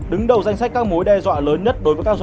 đứng đầu danh sách các mối đe dọa lớn nhất